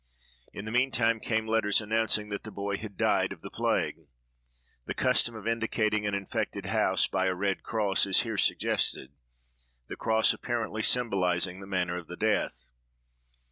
In the meantime, came letters announcing that the boy had died of the plague. The custom of indicating an infected house by a red cross is here suggested, the cross apparently symbolizing the manner of the death.